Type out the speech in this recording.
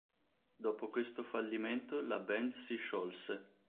Dopo questo fallimento, la band si sciolse.